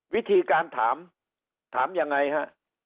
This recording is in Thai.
วิธีการถามถามยังไงฮะ